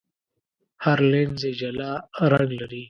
هر لینز یې جلا رنګ لري.